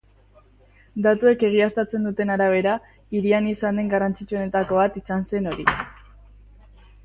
Datuek egiaztatzen duten arabera, hirian izan den garrantzitsuenetako bat izan zen hori.